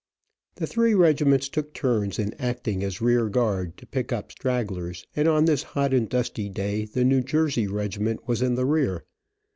The three regiments took turns in acting as rear guard, to pick up stragglers, and on this hot and dusty day the New Jersey regiment was in the rear.